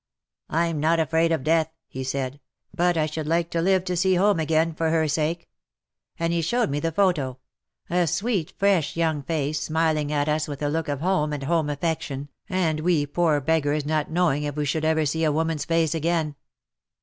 ' I'm not afraid of death,' he said, ' but I should like to live to see home again, for her sake ;' and he showed me the photo — a sweet, fresh, young face, smiling at us with a look of home and home afiiiction, and we poor 184 ^^AND PALE FROM THE PAST beggars not knowing if we should ever see a woman^'s face again."